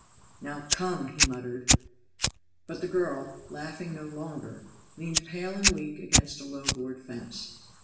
"Now come!" he muttered. But the girl, laughing no longer, leaned pale and weak against a low board fence.